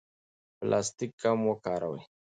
پلاستیک کم وکاروئ.